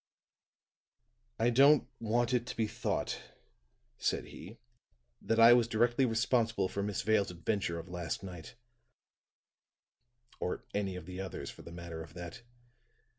"I don't want it to be thought," said he "that I was directly responsible for Miss Vale's adventure of last night or for any of the others, for the matter of that.